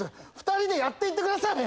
２人でやっていってください！